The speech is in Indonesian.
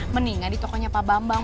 mendingan di tokonya pak bambang